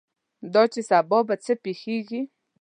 دا چې سبا به څه پېښېږي.